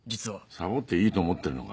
サボっていいと思ってるのか？